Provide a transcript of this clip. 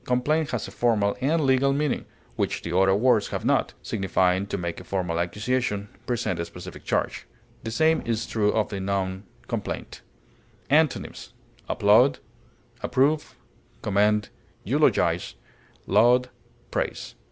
Complain has a formal and legal meaning, which the other words have not, signifying to make a formal accusation, present a specific charge; the same is true of the noun complaint. Antonyms: applaud, approve, commend, eulogize, laud, praise.